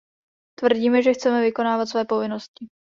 Tvrdíme, že chceme vykonávat své povinnosti.